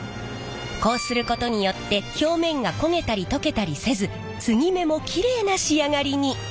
こうすることによって表面が焦げたり溶けたりせず継ぎ目もきれいな仕上がりに。